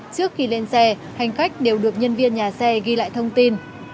trước khi lên xe hành khách đều được nhân viên nhà xe ghi lại thông tin